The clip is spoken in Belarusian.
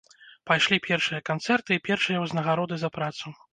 Пайшлі першыя канцэрты і першыя ўзнагароды за працу.